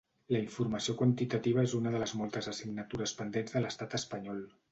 La informació quantitativa és una de les moltes assignatures pendents de l’estat espanyol.